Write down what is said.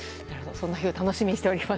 そんな日を楽しみにしております。